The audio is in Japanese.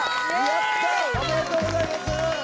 おめでとうございます！